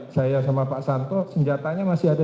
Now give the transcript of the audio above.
saya sama pak santo senjatanya masih ada